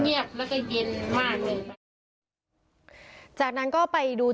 แล้วปรากฏว่าอู๋ทำไม่ได้แน่